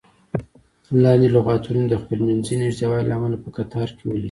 لاندې لغتونه دې د خپلمنځي نږدېوالي له مخې په کتار کې ولیکئ.